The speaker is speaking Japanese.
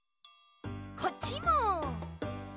こっちも。